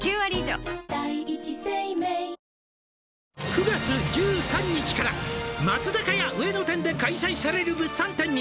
○「９月１３日から松坂屋上野店で開催される物産展に」